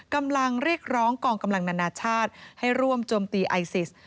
กำลังเรียกร้องกองกำลังนานาชาติให้ร่วมโจมตีไอซิส